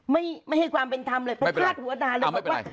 ไม่ไม่ให้ความเป็นทำเลยไม่เป็นไรหัวดาเลยไม่เป็นไร